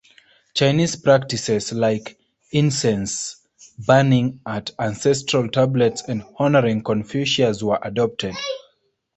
Chinese practices like incense burning at ancestral tablets and honoring Confucius were adopted.